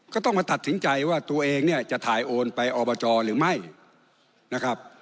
ก็ต้องมาตัดสินใจว่าตัวเองเนี่ยจะถ่ายโอนไปอบจหรือไม่นะครับ